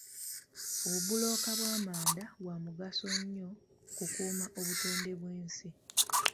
Obubulooka bw'amanda bwa mugaso nnyo mu kukuuma obutonde bw'ensi.